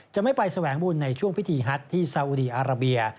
จะไม่ไปแสวงบุญในช่วงพิธีฮัทที่ซาอุดีอาราเบีย